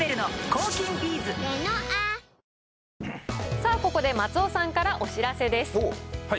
さあ、ここで松尾さんからお知らせです。